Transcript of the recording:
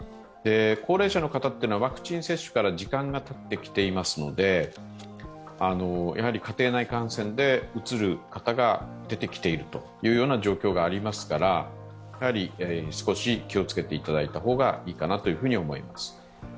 高齢者の方はワクチン接種から時間がたってきていますので、家庭内感染でうつる方が出てきているという状況がありますから少し気をつけていただいた方がいいかなと思います。